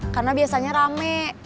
karena biasanya rame